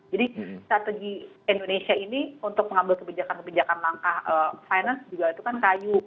jadi strategi indonesia ini untuk mengambil kebijakan kebijakan langkah finance juga itu kan kayu